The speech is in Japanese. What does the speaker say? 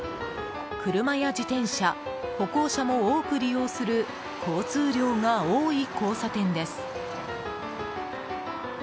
車や自転車、歩行者も多く利用する交通量が多い交差点です。